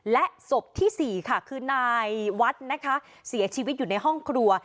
และศพที่๔ค่ะคือนายวัดนะคะเสียชีวิตอยู่ในห้องครัว